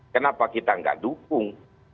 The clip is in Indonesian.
kenapa kita gak dukung